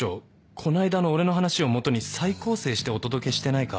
この間の俺の話を基に再構成してお届けしてないか？